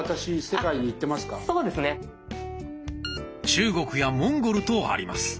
中国やモンゴルとあります。